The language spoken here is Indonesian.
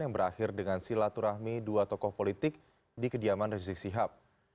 yang berakhir dengan silaturahmi dua tokoh politik di kediaman rizik sihab